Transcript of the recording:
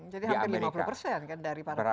jadi hampir lima puluh persen kan dari para pemilih